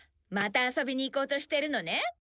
また遊びに行こうとしてるのね。